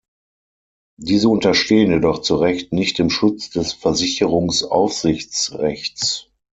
Diese unterstehen jedoch zu Recht nicht dem Schutz des Versicherungsaufsichtsrechts.